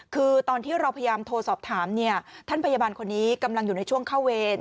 คือตอนที่เราพยายามโทรสอบถามท่านพยาบาลคนนี้กำลังอยู่ในช่วงเข้าเวร